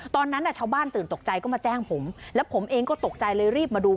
ตอนนั้นชาวบ้านตื่นตกใจก็มาแจ้งผมแล้วผมเองก็ตกใจเลยรีบมาดู